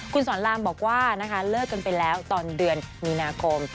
คุณสอนรามบอกว่านะคะเลิกกันไปแล้วตอนเดือนมีนาคม